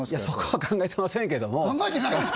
そこは考えてませんけども考えてない？